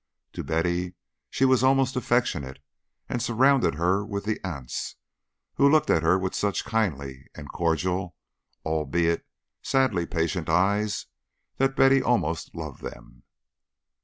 To Betty she was almost affectionate, and surrounded her with the aunts, who looked at her with such kindly and cordial, albeit sadly patient eyes, that Betty almost loved them.